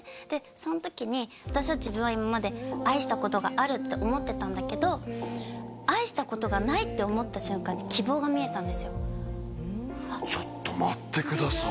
その時に私は自分は今まで愛したことがあるって思ってたんだけど愛したことがないって思った瞬間にちょっと待ってください